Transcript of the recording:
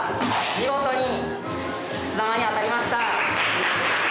見事にくす玉に当たりました。